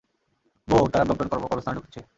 বোহ, তারা ব্রম্পটন কবরস্থানে ঢুকছে।